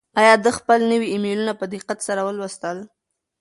آیا ده خپل نوي ایمیلونه په دقت سره ولوستل؟